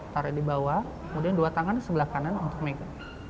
taruh di bawah kemudian dua tangan di sebelah kanan untuk mega